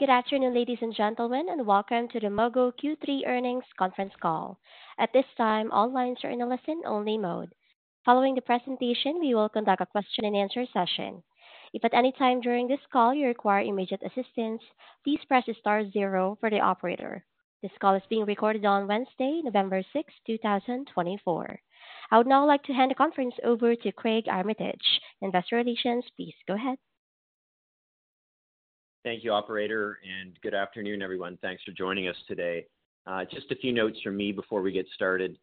Good afternoon, ladies and gentlemen, and welcome to the Mogo Q3 Earnings Conference Call. At this time, all lines are in a listen-only mode. Following the presentation, we will conduct a question-and-answer session. If at any time during this call you require immediate assistance, please press the star zero for the operator. This call is being recorded on Wednesday, November 6, 2024. I would now like to hand the conference over to Craig Armitage, Investor Relations. Please go ahead. Thank you, Operator, and good afternoon, everyone. Thanks for joining us today. Just a few notes from me before we get started.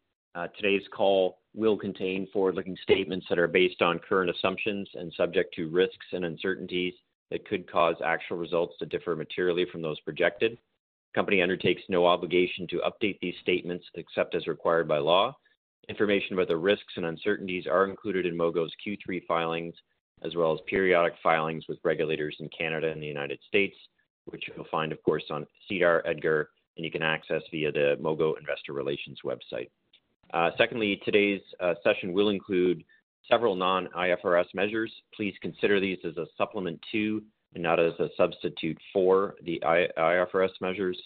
Today's call will contain forward-looking statements that are based on current assumptions and subject to risks and uncertainties that could cause actual results to differ materially from those projected. The company undertakes no obligation to update these statements except as required by law. Information about the risks and uncertainties are included in Mogo's Q3 filings, as well as periodic filings with regulators in Canada and the United States, which you'll find, of course, on SEDAR, EDGAR, and you can access via the Mogo Investor Relations website. Secondly, today's session will include several non-IFRS measures. Please consider these as a supplement to and not as a substitute for the IFRS measures.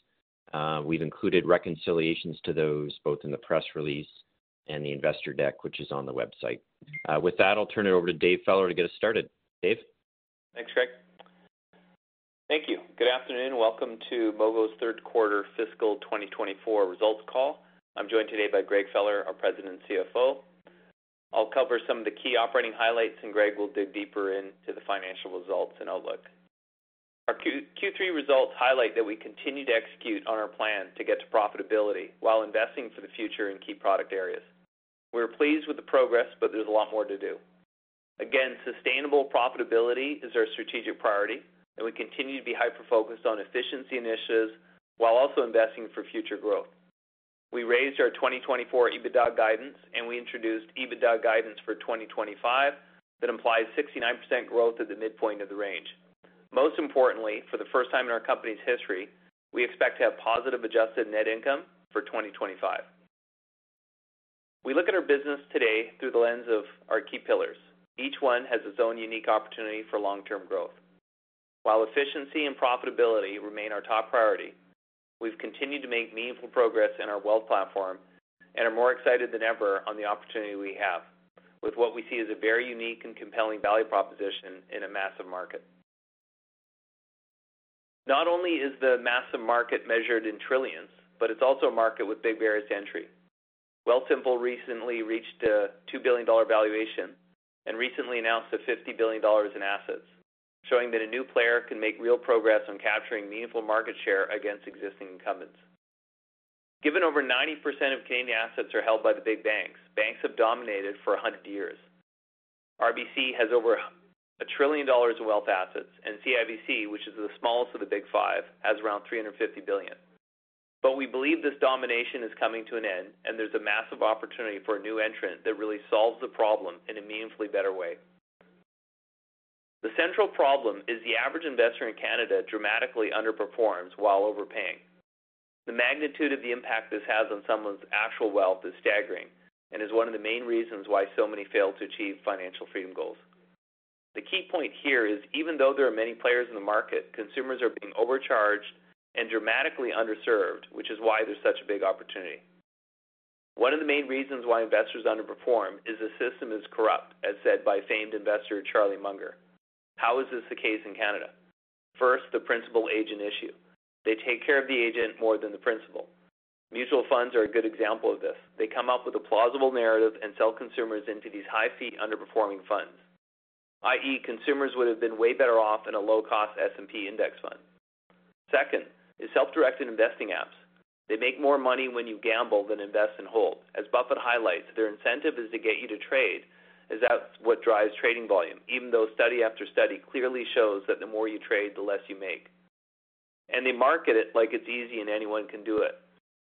We've included reconciliations to those both in the press release and the investor deck, which is on the website. With that, I'll turn it over to Dave Feller to get us started. Dave? Thanks, Craig. Thank you. Good afternoon. Welcome to Mogo's third quarter fiscal 2024 results call. I'm joined today by Greg Feller, our President and CFO. I'll cover some of the key operating highlights, and Greg will dig deeper into the financial results and outlook. Our Q3 results highlight that we continue to execute on our plan to get to profitability while investing for the future in key product areas. We're pleased with the progress, but there's a lot more to do. Again, sustainable profitability is our strategic priority, and we continue to be hyper-focused on efficiency initiatives while also investing for future growth. We raised our 2024 EBITDA guidance, and we introduced EBITDA guidance for 2025 that implies 69% growth at the midpoint of the range. Most importantly, for the first time in our company's history, we expect to have positive adjusted net income for 2025. We look at our business today through the lens of our key pillars. Each one has its own unique opportunity for long-term growth. While efficiency and profitability remain our top priority, we've continued to make meaningful progress in our wealth platform and are more excited than ever on the opportunity we have with what we see as a very unique and compelling value proposition in a massive market. Not only is the massive market measured in trillions, but it's also a market with big barriers to entry. Wealthsimple recently reached a 2 billion dollar valuation and recently announced 50 billion dollars in assets, showing that a new player can make real progress on capturing meaningful market share against existing incumbents. Given over 90% of Canadian assets are held by the big banks, banks have dominated for 100 years. RBC has over 1 trillion dollars in wealth assets, and CIBC, which is the smallest of the big five, has around 350 billion. But we believe this domination is coming to an end, and there's a massive opportunity for a new entrant that really solves the problem in a meaningfully better way. The central problem is the average investor in Canada dramatically underperforms while overpaying. The magnitude of the impact this has on someone's actual wealth is staggering and is one of the main reasons why so many fail to achieve financial freedom goals. The key point here is, even though there are many players in the market, consumers are being overcharged and dramatically underserved, which is why there's such a big opportunity. One of the main reasons why investors underperform is the system is corrupt, as said by famed investor Charlie Munger. How is this the case in Canada? First, the principal-agent issue. They take care of the agent more than the principal. Mutual funds are a good example of this. They come up with a plausible narrative and sell consumers into these high-fee, underperforming funds, i.e., consumers would have been way better off in a low-cost S&P index fund. Second is self-directed investing apps. They make more money when you gamble than invest and hold. As Buffett highlights, their incentive is to get you to trade, as that's what drives trading volume, even though study after study clearly shows that the more you trade, the less you make, and they market it like it's easy and anyone can do it.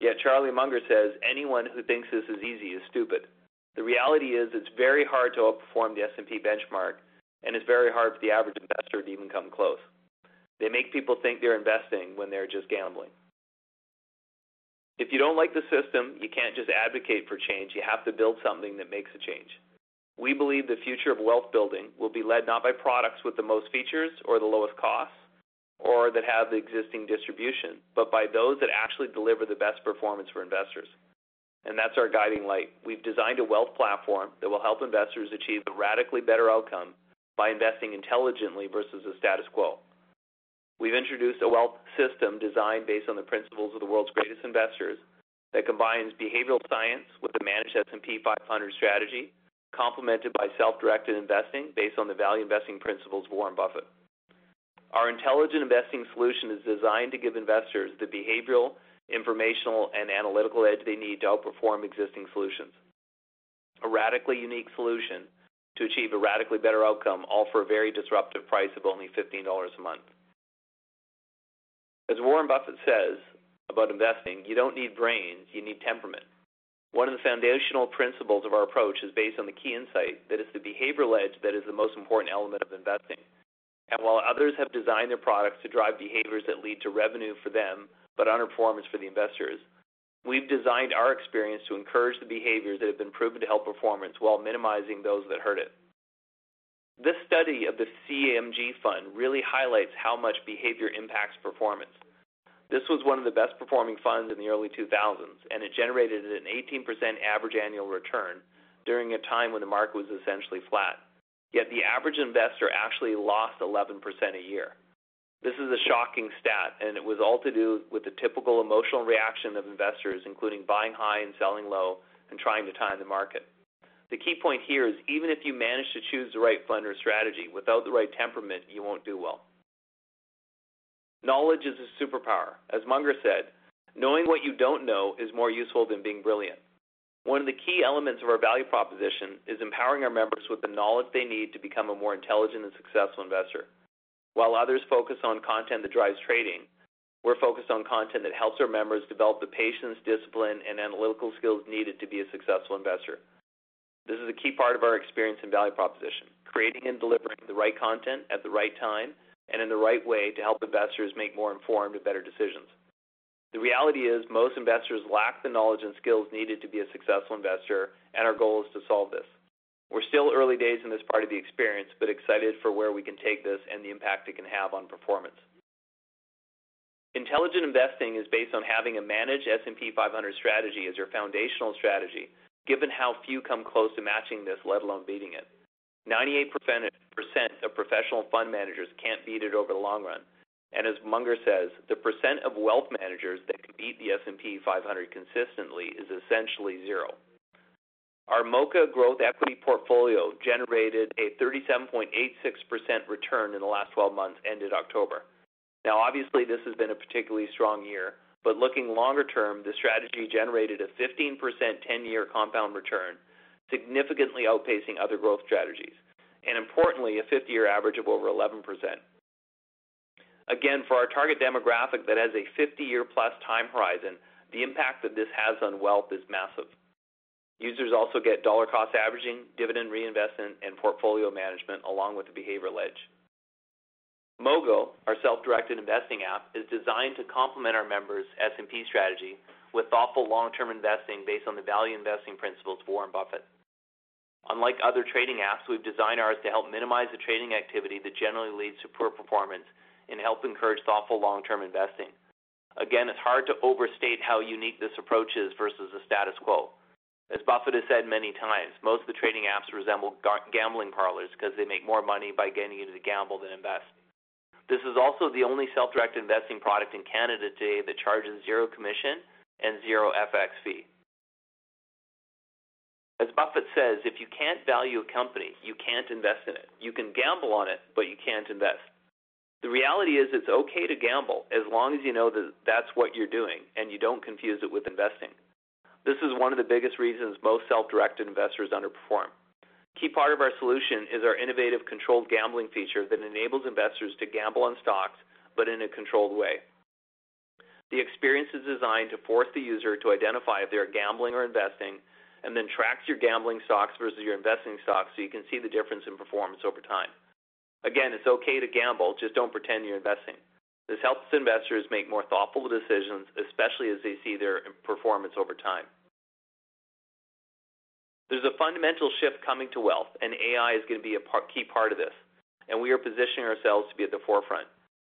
Yet Charlie Munger says, "Anyone who thinks this is easy is stupid." The reality is it's very hard to outperform the S&P benchmark, and it's very hard for the average investor to even come close. They make people think they're investing when they're just gambling. If you don't like the system, you can't just advocate for change. You have to build something that makes a change. We believe the future of wealth building will be led not by products with the most features or the lowest cost or that have the existing distribution, but by those that actually deliver the best performance for investors. And that's our guiding light. We've designed a wealth platform that will help investors achieve a radically better outcome by investing intelligently versus the status quo. We've introduced a wealth system designed based on the principles of the world's greatest investors that combines behavioral science with a managed S&P 500 strategy, complemented by self-directed investing based on the value investing principles of Warren Buffett. Our intelligent investing solution is designed to give investors the behavioral, informational, and analytical edge they need to outperform existing solutions. A radically unique solution to achieve a radically better outcome, all for a very disruptive price of only $15 a month. As Warren Buffett says about investing, "You don't need brains. You need temperament." One of the foundational principles of our approach is based on the key insight that it's the behavioral edge that is the most important element of investing. And while others have designed their products to drive behaviors that lead to revenue for them but underperforms for the investors, we've designed our experience to encourage the behaviors that have been proven to help performance while minimizing those that hurt it. This study of the CMG Fund really highlights how much behavior impacts performance. This was one of the best-performing funds in the early 2000s, and it generated an 18% average annual return during a time when the market was essentially flat. Yet the average investor actually lost 11% a year. This is a shocking stat, and it was all to do with the typical emotional reaction of investors, including buying high and selling low and trying to time the market. The key point here is, even if you manage to choose the right fund or strategy without the right temperament, you won't do well. Knowledge is a superpower. As Munger said, "Knowing what you don't know is more useful than being brilliant." One of the key elements of our value proposition is empowering our members with the knowledge they need to become a more intelligent and successful investor. While others focus on content that drives trading, we're focused on content that helps our members develop the patience, discipline, and analytical skills needed to be a successful investor. This is a key part of our experience and value proposition, creating and delivering the right content at the right time and in the right way to help investors make more informed and better decisions. The reality is most investors lack the knowledge and skills needed to be a successful investor, and our goal is to solve this. We're still early days in this part of the experience, but excited for where we can take this and the impact it can have on performance. Intelligent investing is based on having a managed S&P 500 strategy as your foundational strategy, given how few come close to matching this, let alone beating it. 98% of professional fund managers can't beat it over the long run. And as Munger says, "The percent of wealth managers that can beat the S&P 500 consistently is essentially zero." Our Moka growth equity portfolio generated a 37.86% return in the last 12 months, ended October. Now, obviously, this has been a particularly strong year, but looking longer term, the strategy generated a 15% 10-year compound return, significantly outpacing other growth strategies. And importantly, a 50-year average of over 11%. Again, for our target demographic that has a 50-year-plus time horizon, the impact that this has on wealth is massive. Users also get dollar-cost averaging, dividend reinvestment, and portfolio management along with the behavioral edge. Mogo, our self-directed investing app, is designed to complement our members' S&P strategy with thoughtful long-term investing based on the value investing principles of Warren Buffett. Unlike other trading apps, we've designed ours to help minimize the trading activity that generally leads to poor performance and help encourage thoughtful long-term investing. Again, it's hard to overstate how unique this approach is versus the status quo. As Buffett has said many times, most of the trading apps resemble gambling parlors because they make more money by getting you to gamble than invest. This is also the only self-directed investing product in Canada today that charges zero commission and zero FX fee. As Buffett says, "If you can't value a company, you can't invest in it. You can gamble on it, but you can't invest." The reality is it's okay to gamble as long as you know that that's what you're doing and you don't confuse it with investing. This is one of the biggest reasons most self-directed investors underperform. Key part of our solution is our innovative controlled gambling feature that enables investors to gamble on stocks, but in a controlled way. The experience is designed to force the user to identify if they're gambling or investing and then tracks your gambling stocks versus your investing stocks so you can see the difference in performance over time. Again, it's okay to gamble. Just don't pretend you're investing. This helps investors make more thoughtful decisions, especially as they see their performance over time. There's a fundamental shift coming to wealth, and AI is going to be a key part of this, and we are positioning ourselves to be at the forefront.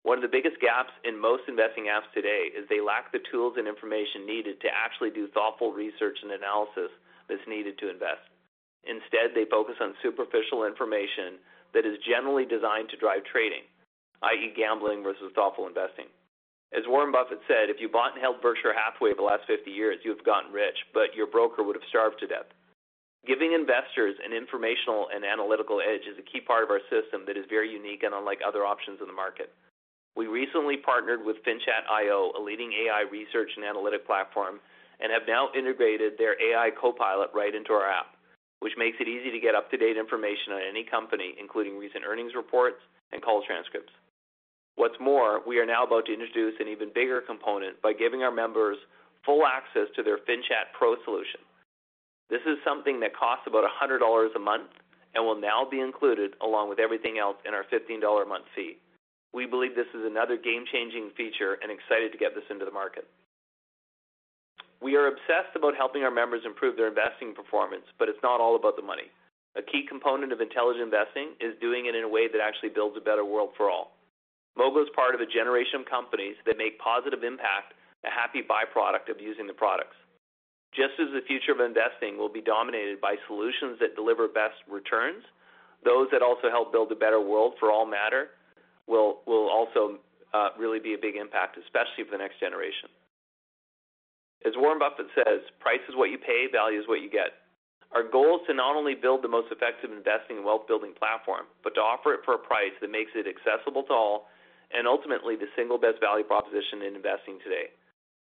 One of the biggest gaps in most investing apps today is they lack the tools and information needed to actually do thoughtful research and analysis that's needed to invest. Instead, they focus on superficial information that is generally designed to drive trading, i.e., gambling versus thoughtful investing. As Warren Buffett said, "If you bought and held Berkshire Hathaway the last 50 years, you have gotten rich, but your broker would have starved to death." Giving investors an informational and analytical edge is a key part of our system that is very unique and unlike other options in the market. We recently partnered with FinChat.io, a leading AI research and analytic platform, and have now integrated their AI copilot right into our app, which makes it easy to get up-to-date information on any company, including recent earnings reports and call transcripts. What's more, we are now about to introduce an even bigger component by giving our members full access to their FinChat Pro solution. This is something that costs about 100 dollars a month and will now be included along with everything else in our 15 dollar a month fee. We believe this is another game-changing feature and excited to get this into the market. We are obsessed about helping our members improve their investing performance, but it's not all about the money. A key component of intelligent investing is doing it in a way that actually builds a better world for all. Mogo is part of a generation of companies that make positive impact, a happy byproduct of using the products. Just as the future of investing will be dominated by solutions that deliver best returns, those that also help build a better world for all matter will also really be a big impact, especially for the next generation. As Warren Buffett says, "Price is what you pay. Value is what you get." Our goal is to not only build the most effective investing and wealth-building platform, but to offer it for a price that makes it accessible to all and ultimately the single best value proposition in investing today,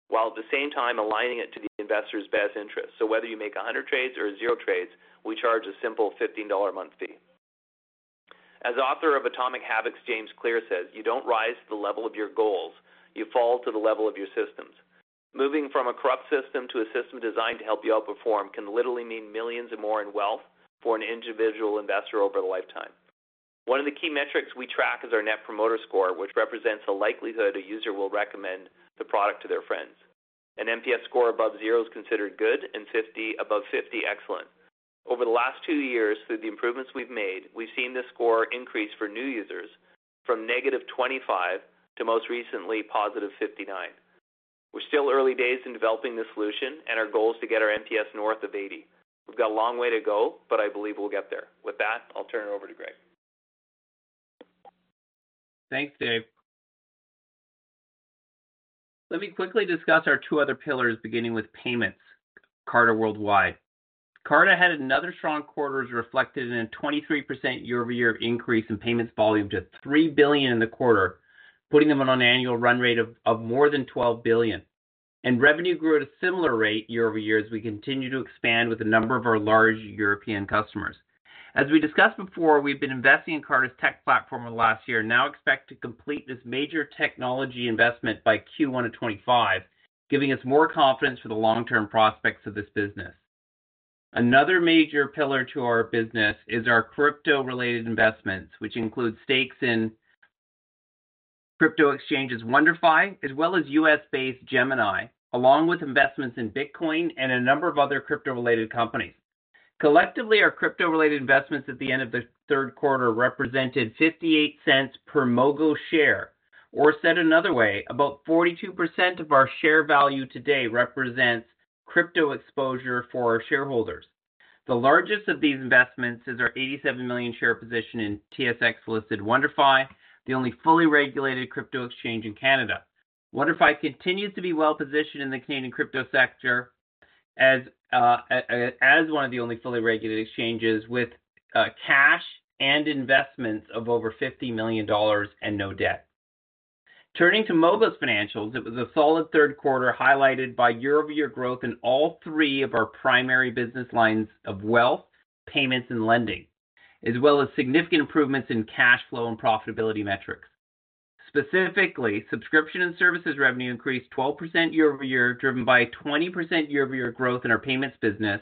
while at the same time aligning it to the investor's best interest. So whether you make 100 trades or zero trades, we charge a simple 15 dollar a month fee. As author of Atomic Habits, James Clear says, "You don't rise to the level of your goals. You fall to the level of your systems." Moving from a corrupt system to a system designed to help you outperform can literally mean millions and more in wealth for an individual investor over a lifetime. One of the key metrics we track is our Net Promoter Score, which represents the likelihood a user will recommend the product to their friends. An NPS score above zero is considered good, and above 50, excellent. Over the last two years, through the improvements we've made, we've seen this score increase for new users from negative 25 to most recently positive 59. We're still early days in developing this solution, and our goal is to get our NPS north of 80. We've got a long way to go, but I believe we'll get there. With that, I'll turn it over to Greg. Thanks, Dave. Let me quickly discuss our two other pillars, beginning with payments. Carta Worldwide. Carta had another strong quarter as reflected in a 23% year-over-year increase in payments volume to 3 billion in the quarter, putting them on an annual run rate of more than 12 billion, and revenue grew at a similar rate year-over-year as we continue to expand with a number of our large European customers. As we discussed before, we've been investing in Carta's tech platform over the last year, now expect to complete this major technology investment by Q1 of 2025, giving us more confidence for the long-term prospects of this business. Another major pillar to our business is our crypto-related investments, which include stakes in crypto exchanges WonderFi, as well as U.S.-based Gemini, along with investments in Bitcoin and a number of other crypto-related companies. Collectively, our crypto-related investments at the end of the third quarter represented 0.58 per MOGO share. Or said another way, about 42% of our share value today represents crypto exposure for our shareholders. The largest of these investments is our 87 million share position in TSX-listed WonderFi, the only fully regulated crypto exchange in Canada. WonderFi continues to be well-positioned in the Canadian crypto sector as one of the only fully regulated exchanges with cash and investments of over $50 million and no debt. Turning to Mogo's financials, it was a solid third quarter highlighted by year-over-year growth in all three of our primary business lines of wealth, payments, and lending, as well as significant improvements in cash flow and profitability metrics. Specifically, subscription and services revenue increased 12% year-over-year, driven by 20% year-over-year growth in our payments business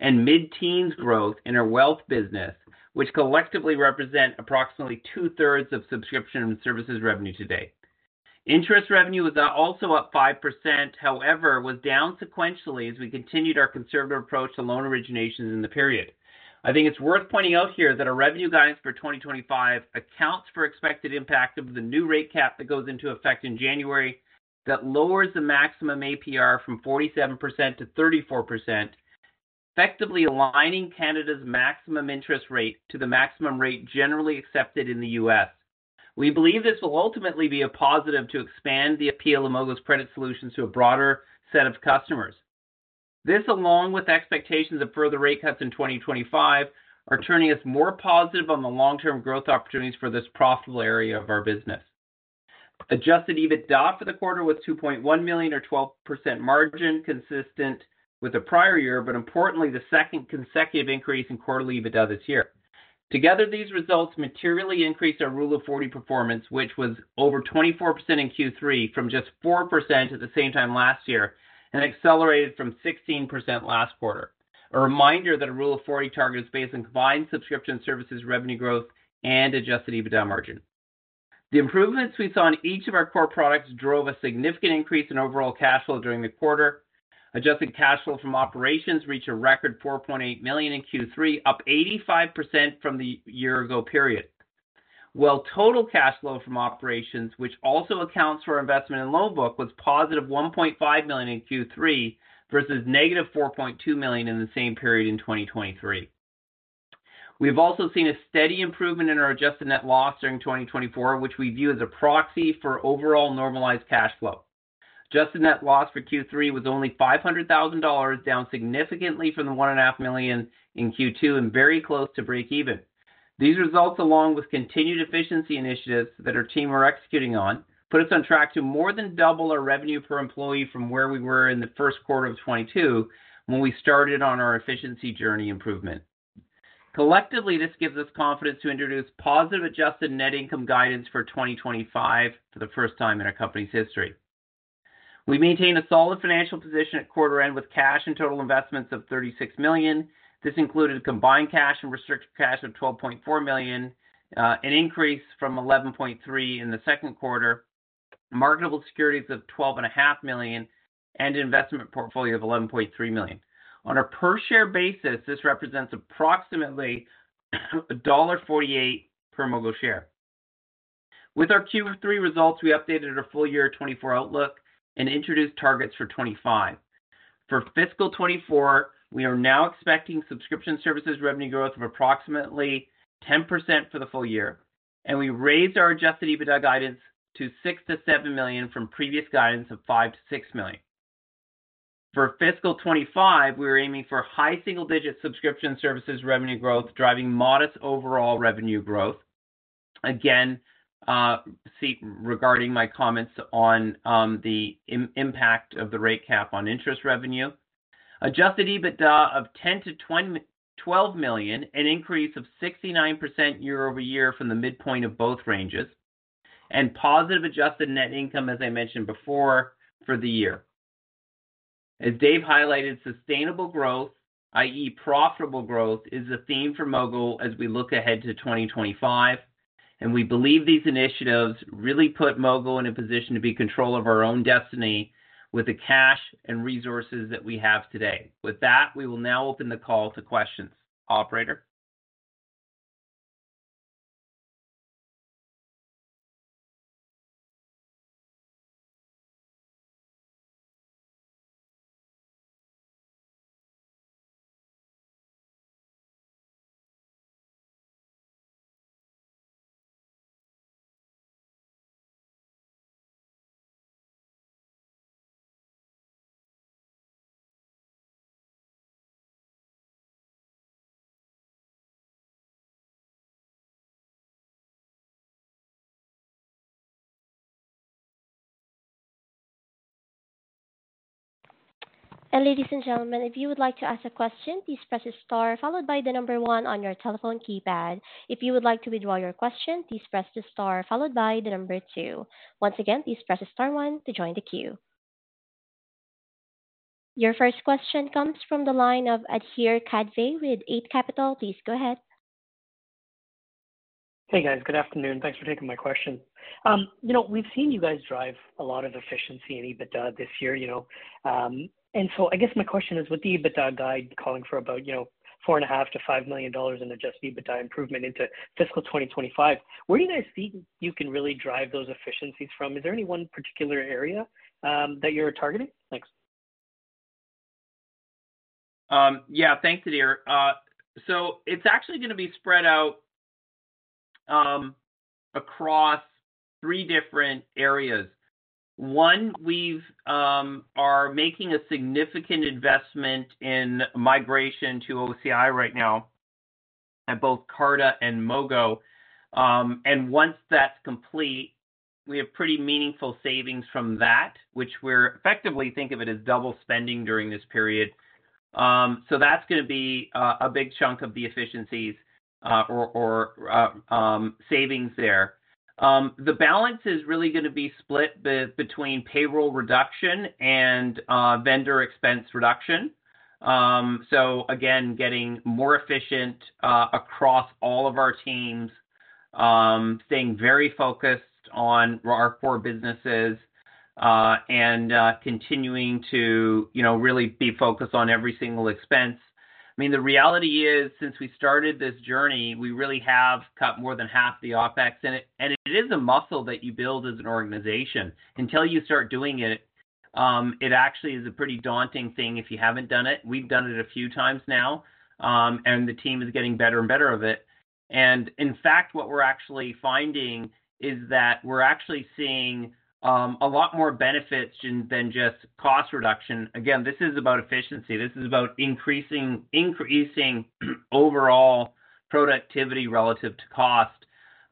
and mid-teens growth in our wealth business, which collectively represent approximately two-thirds of subscription and services revenue today. Interest revenue was also up 5%, however, was down sequentially as we continued our conservative approach to loan originations in the period. I think it's worth pointing out here that our revenue guidance for 2025 accounts for expected impact of the new rate cap that goes into effect in January that lowers the maximum APR from 47% to 34%, effectively aligning Canada's maximum interest rate to the maximum rate generally accepted in the U.S. We believe this will ultimately be a positive to expand the appeal of Mogo's credit solutions to a broader set of customers. This, along with expectations of further rate cuts in 2025, are turning us more positive on the long-term growth opportunities for this profitable area of our business. Adjusted EBITDA for the quarter was 2.1 million, or 12% margin, consistent with the prior year, but importantly, the second consecutive increase in quarterly EBITDA this year. Together, these results materially increased our Rule of 40 performance, which was over 24% in Q3 from just 4% at the same time last year and accelerated from 16% last quarter. A reminder that a Rule of 40 target is based on combined subscription services revenue growth and adjusted EBITDA margin. The improvements we saw in each of our core products drove a significant increase in overall cash flow during the quarter. Adjusted cash flow from operations reached a record 4.8 million in Q3, up 85% from the year-ago period. Total cash flow from operations, which also accounts for our investment in loan book, was +1.5 million in Q3 versus -4.2 million in the same period in 2023. We have also seen a steady improvement in our adjusted net loss during 2024, which we view as a proxy for overall normalized cash flow. Adjusted net loss for Q3 was only $500,000, down significantly from the $1.5 million in Q2 and very close to break-even. These results, along with continued efficiency initiatives that our team are executing on, put us on track to more than double our revenue per employee from where we were in the first quarter of 2022 when we started on our efficiency journey improvement. Collectively, this gives us confidence to introduce positive adjusted net income guidance for 2025 for the first time in our company's history. We maintain a solid financial position at quarter end with cash and total investments of 36 million. This included combined cash and restricted cash of 12.4 million, an increase from 11.3 in the second quarter, marketable securities of 12.5 million, and an investment portfolio of 11.3 million. On a per-share basis, this represents approximately $1.48 per MOGO share. With our Q3 results, we updated our full year 2024 outlook and introduced targets for 2025. For fiscal 2024, we are now expecting subscription services revenue growth of approximately 10% for the full year. We raised our adjusted EBITDA guidance to 6 million-7 million from previous guidance of 5 million-6 million. For fiscal 2025, we were aiming for high single-digit subscription services revenue growth, driving modest overall revenue growth. Again, see regarding my comments on the impact of the rate cap on interest revenue. Adjusted EBITDA of 10- 12 million, an increase of 69% year-over-year from the midpoint of both ranges, and positive adjusted net income, as I mentioned before, for the year. As Dave highlighted, sustainable growth, i.e., profitable growth, is the theme for Mogo as we look ahead to 2025. And we believe these initiatives really put Mogo in a position to be in control of our own destiny with the cash and resources that we have today. With that, we will now open the call to questions. Operator. Ladies and gentlemen, if you would like to ask a question, please press the star followed by the number one on your telephone keypad. If you would like to withdraw your question, please press the star followed by the number two. Once again, please press the star one to join the queue. Your first question comes from the line of Adhir Kadve with Eight Capital. Please go ahead. Hey, guys. Good afternoon. Thanks for taking my question. You know, we've seen you guys drive a lot of efficiency and EBITDA this year. You know, and so I guess my question is, with the EBITDA guide calling for about, you know, 4.5 million-5 million dollars in adjusted EBITDA improvement into fiscal 2025, where do you guys think you can really drive those efficiencies from? Is there any one particular area that you're targeting? Thanks. Yeah, thanks, Adhir. So it's actually going to be spread out across three different areas. One, we are making a significant investment in migration to OCI right now at both Carta and Mogo. And once that's complete, we have pretty meaningful savings from that, which we effectively think of as double spending during this period. So that's going to be a big chunk of the efficiencies or savings there. The balance is really going to be split between payroll reduction and vendor expense reduction. So again, getting more efficient across all of our teams, staying very focused on our core businesses, and continuing to, you know, really be focused on every single expense. I mean, the reality is, since we started this journey, we really have cut more than half the OpEx. And it is a muscle that you build as an organization. Until you start doing it, it actually is a pretty daunting thing if you haven't done it. We've done it a few times now, and the team is getting better and better at it. And in fact, what we're actually finding is that we're actually seeing a lot more benefits than just cost reduction. Again, this is about efficiency. This is about increasing overall productivity relative to cost.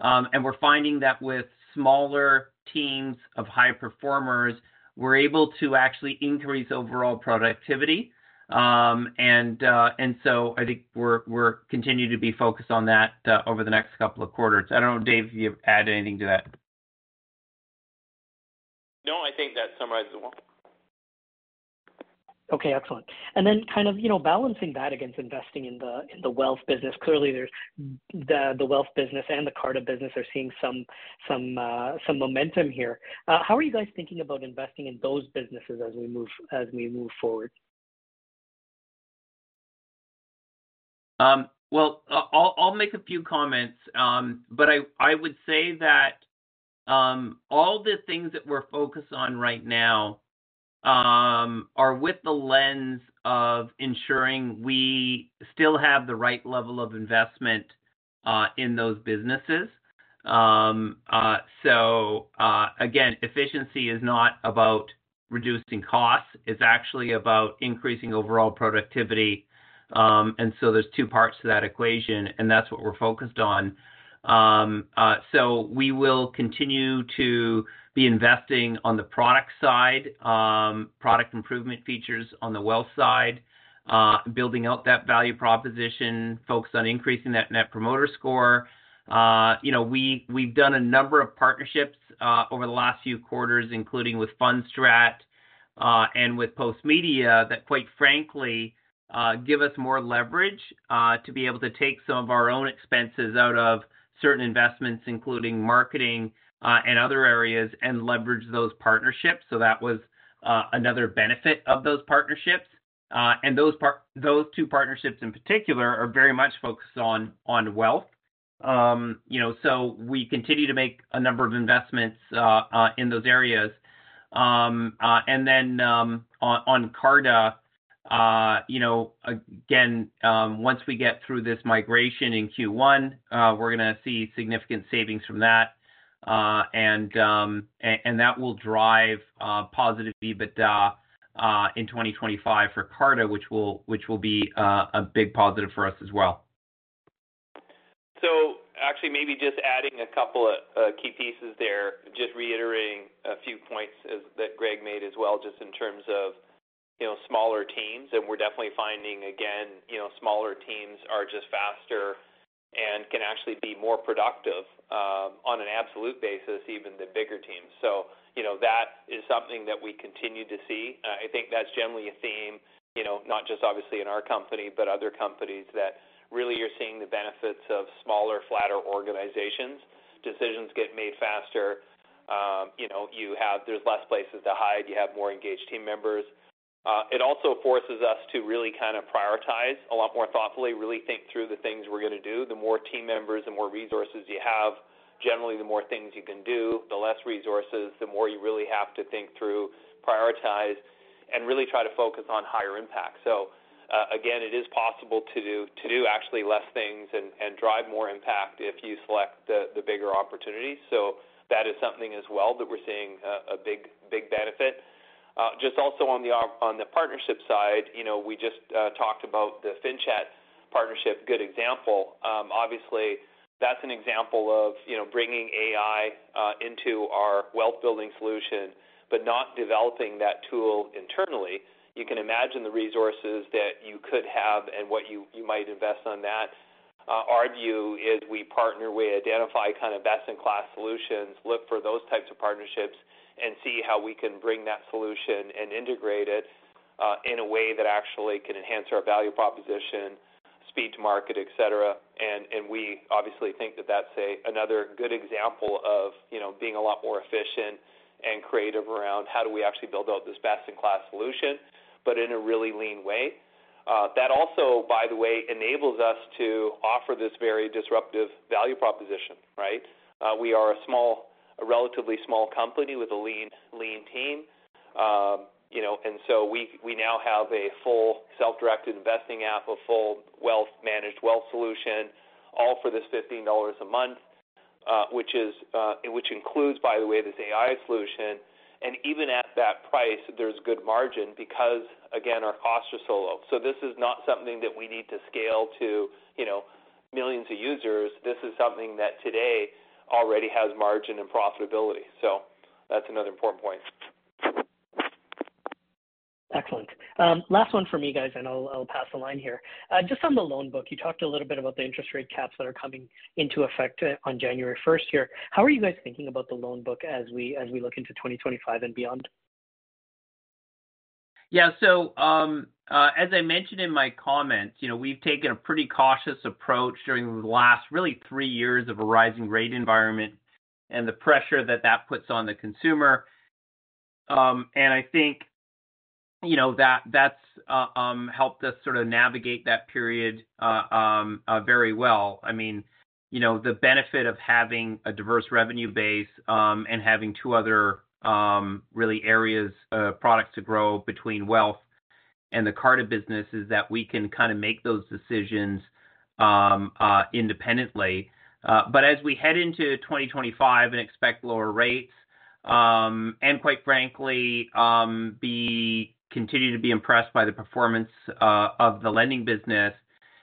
And we're finding that with smaller teams of high performers, we're able to actually increase overall productivity. And so I think we're continuing to be focused on that over the next couple of quarters. I don't know, Dave, if you add anything to that. No, I think that summarizes it well. Okay, excellent. And then kind of, you know, balancing that against investing in the wealth business. Clearly, the wealth business and the Carta business are seeing some momentum here. How are you guys thinking about investing in those businesses as we move forward? I'll make a few comments, but I would say that all the things that we're focused on right now are with the lens of ensuring we still have the right level of investment in those businesses. So again, efficiency is not about reducing costs. It's actually about increasing overall productivity. And so there's two parts to that equation, and that's what we're focused on. So we will continue to be investing on the product side, product improvement features on the wealth side, building out that value proposition, focus on increasing that Net Promoter Score. You know, we've done a number of partnerships over the last few quarters, including with Fundstrat and with Postmedia, that quite frankly give us more leverage to be able to take some of our own expenses out of certain investments, including marketing and other areas, and leverage those partnerships. So that was another benefit of those partnerships. And those two partnerships in particular are very much focused on wealth. You know, so we continue to make a number of investments in those areas. And then on Carta, you know, again, once we get through this migration in Q1, we're going to see significant savings from that. And that will drive positive EBITDA in 2025 for Carta, which will be a big positive for us as well. So, actually, maybe just adding a couple of key pieces there, just reiterating a few points that Greg made as well, just in terms of, you know, smaller teams, and we're definitely finding, again, you know, smaller teams are just faster and can actually be more productive on an absolute basis, even the bigger teams, so, you know, that is something that we continue to see. I think that's generally a theme, you know, not just obviously in our company, but other companies, that really you're seeing the benefits of smaller, flatter organizations. Decisions get made faster. You know, there's less places to hide. You have more engaged team members. It also forces us to really kind of prioritize a lot more thoughtfully, really think through the things we're going to do. The more team members and more resources you have, generally, the more things you can do. The less resources, the more you really have to think through, prioritize, and really try to focus on higher impact. So again, it is possible to do actually less things and drive more impact if you select the bigger opportunities. So that is something as well that we're seeing a big benefit. Just also on the partnership side, you know, we just talked about the FinChat partnership, good example. Obviously, that's an example of, you know, bringing AI into our wealth-building solution, but not developing that tool internally. You can imagine the resources that you could have and what you might invest on that. Our view is we partner with, identify kind of best-in-class solutions, look for those types of partnerships, and see how we can bring that solution and integrate it in a way that actually can enhance our value proposition, speed to market, etc. And we obviously think that that's another good example of, you know, being a lot more efficient and creative around how do we actually build out this best-in-class solution, but in a really lean way. That also, by the way, enables us to offer this very disruptive value proposition, right? We are a relatively small company with a lean team. You know, and so we now have a full self-directed investing app, a full wealth-managed wealth solution, all for this 15 dollars a month, which includes, by the way, this AI solution. And even at that price, there's good margin because, again, our costs are so low. So this is not something that we need to scale to, you know, millions of users. This is something that today already has margin and profitability. So that's another important point. Excellent. Last one from you guys, and I'll pass the line here. Just on the loan book, you talked a little bit about the interest rate caps that are coming into effect on January 1st here. How are you guys thinking about the loan book as we look into 2025 and beyond? Yeah, so as I mentioned in my comments, you know, we've taken a pretty cautious approach during the last really three years of a rising rate environment and the pressure that that puts on the consumer. And I think, you know, that's helped us sort of navigate that period very well. I mean, you know, the benefit of having a diverse revenue base and having two other really areas of products to grow between wealth and the Carta business is that we can kind of make those decisions independently. But as we head into 2025 and expect lower rates, and quite frankly, continue to be impressed by the performance of the lending business,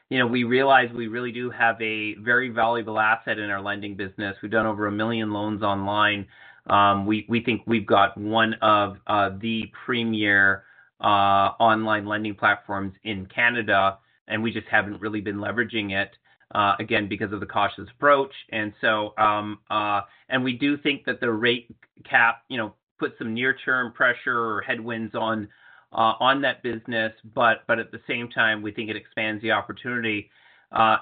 you know, we realize we really do have a very valuable asset in our lending business. We've done over a million loans online. We think we've got one of the premier online lending platforms in Canada, and we just haven't really been leveraging it, again, because of the cautious approach, and we do think that the rate cap, you know, puts some near-term pressure or headwinds on that business, but at the same time, we think it expands the opportunity,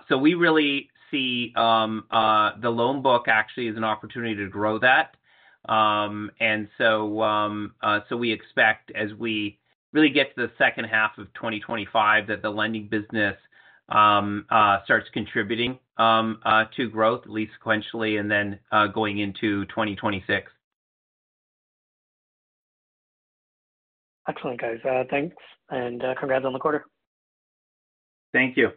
so we really see the loan book actually as an opportunity to grow that, and so we expect, as we really get to the second half of 2025, that the lending business starts contributing to growth, at least sequentially, and then going into 2026. Excellent, guys. Thanks, and congrats on the quarter. Thank you.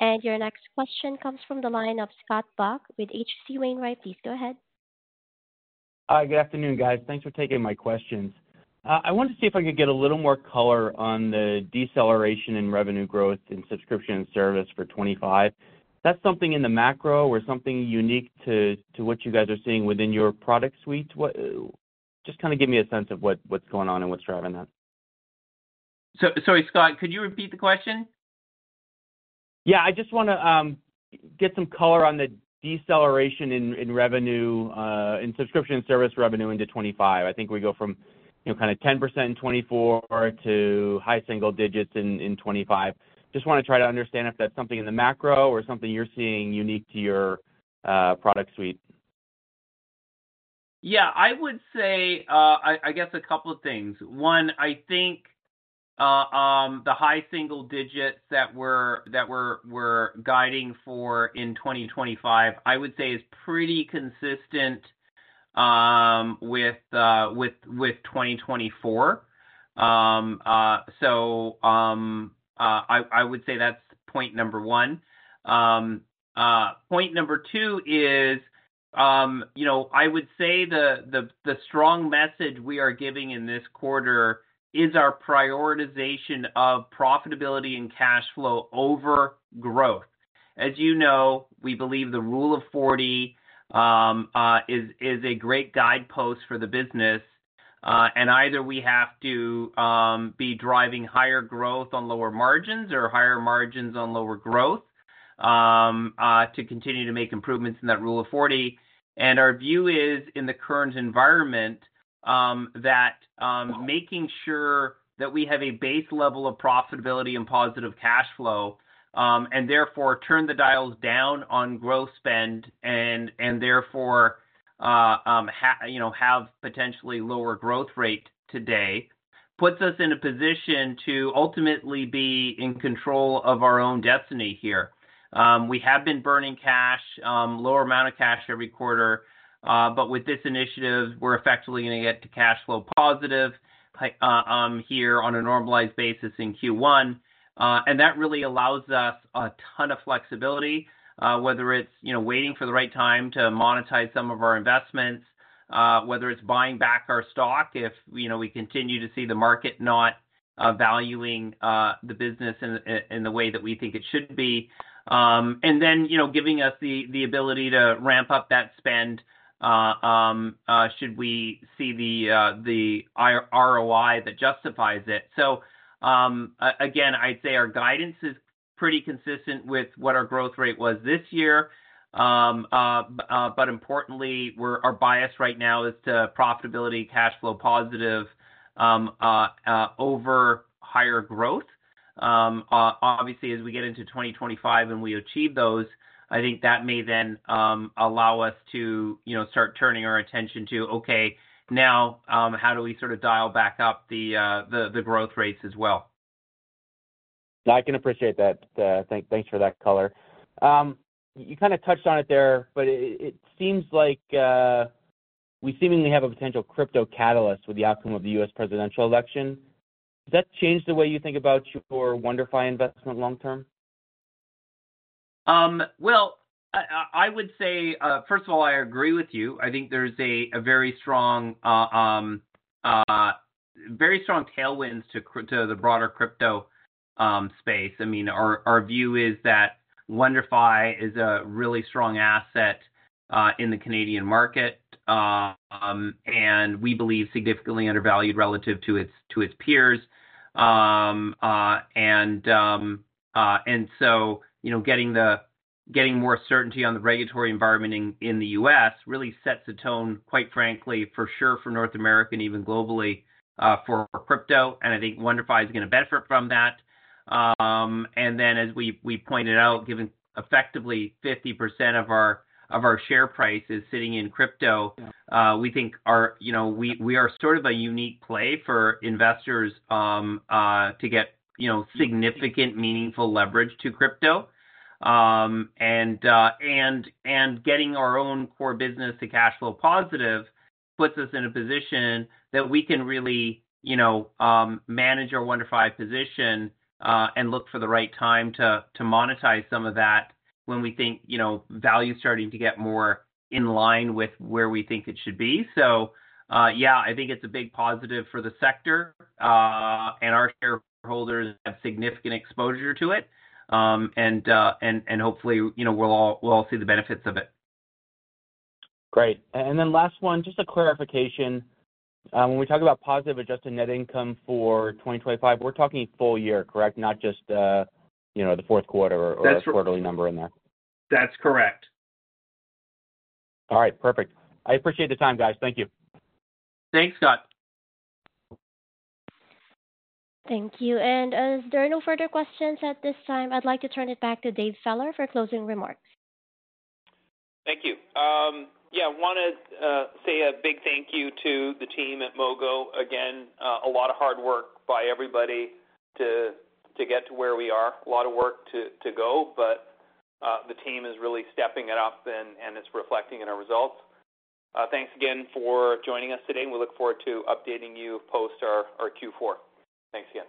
And your next question comes from the line of Scott Buck with H.C. Wainwright. Please go ahead. Hi, good afternoon, guys. Thanks for taking my questions. I wanted to see if I could get a little more color on the deceleration in revenue growth in subscription service for 2025. That's something in the macro or something unique to what you guys are seeing within your product suite? Just kind of give me a sense of what's going on and what's driving that. Sorry, Scott, could you repeat the question? Yeah, I just want to get some color on the deceleration in revenue, in subscription service revenue into 2025. I think we go from, you know, kind of 10% in 2024 to high single digits in 2025. Just want to try to understand if that's something in the macro or something you're seeing unique to your product suite. Yeah, I would say, I guess a couple of things. One, I think the high single digits that we're guiding for in 2025, I would say, is pretty consistent with 2024. So I would say that's point number one. Point number two is, you know, I would say the strong message we are giving in this quarter is our prioritization of profitability and cash flow over growth. As you know, we believe the Rule of 40 is a great guidepost for the business. And either we have to be driving higher growth on lower margins or higher margins on lower growth to continue to make improvements in that Rule of 40. Our view is, in the current environment, that making sure that we have a base level of profitability and positive cash flow, and therefore turn the dials down on growth spend, and therefore, you know, have potentially lower growth rate today, puts us in a position to ultimately be in control of our own destiny here. We have been burning cash, lower amount of cash every quarter, but with this initiative, we're effectively going to get to cash flow positive here on a normalized basis in Q1. That really allows us a ton of flexibility, whether it's, you know, waiting for the right time to monetize some of our investments, whether it's buying back our stock if, you know, we continue to see the market not valuing the business in the way that we think it should be. Then, you know, giving us the ability to ramp up that spend should we see the ROI that justifies it. So again, I'd say our guidance is pretty consistent with what our growth rate was this year. But importantly, our bias right now is to profitability, cash flow positive over higher growth. Obviously, as we get into 2025 and we achieve those, I think that may then allow us to, you know, start turning our attention to, okay, now how do we sort of dial back up the growth rates as well? I can appreciate that. Thanks for that color. You kind of touched on it there, but it seems like we seemingly have a potential crypto catalyst with the outcome of the U.S. presidential election. Does that change the way you think about your WonderFi investment long-term? I would say, first of all, I agree with you. I think there's a very strong tailwind to the broader crypto space. I mean, our view is that WonderFi is a really strong asset in the Canadian market, and we believe significantly undervalued relative to its peers. And so, you know, getting more certainty on the regulatory environment in the U.S. really sets the tone, quite frankly, for sure for North America and even globally for crypto. And I think WonderFi is going to benefit from that. And then, as we pointed out, given effectively 50% of our share price is sitting in crypto, we think, you know, we are sort of a unique play for investors to get, you know, significant, meaningful leverage to crypto. Getting our own core business to cash flow positive puts us in a position that we can really, you know, manage our WonderFi position and look for the right time to monetize some of that when we think, you know, value is starting to get more in line with where we think it should be. Yeah, I think it's a big positive for the sector, and our shareholders have significant exposure to it. Hopefully, you know, we'll all see the benefits of it. Great. And then last one, just a clarification. When we talk about positive adjusted net income for 2025, we're talking full year, correct? Not just, you know, the fourth quarter or a quarterly number in there. That's correct. All right, perfect. I appreciate the time, guys. Thank you. Thanks, Scott. Thank you. And as there are no further questions at this time, I'd like to turn it back to Dave Feller for closing remarks. Thank you. Yeah, I want to say a big thank you to the team at Mogo. Again, a lot of hard work by everybody to get to where we are. A lot of work to go, but the team is really stepping it up and it's reflecting in our results. Thanks again for joining us today, and we look forward to updating you post our Q4. Thanks again.